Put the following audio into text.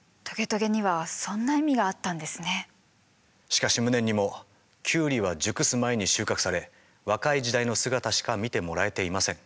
しかし無念にもキュウリは熟す前に収穫され若い時代の姿しか見てもらえていません。